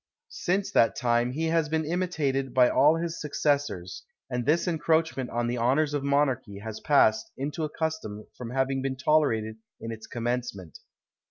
Since that time he has been imitated by all his successors, and this encroachment on the honours of monarchy has passed into a custom from having been tolerated in its commencement.